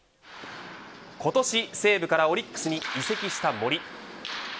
今年、西武からオリックスに移籍した森。